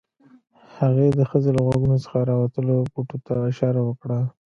هغې د ښځې له غوږونو څخه راوتلو بوټو ته اشاره وکړه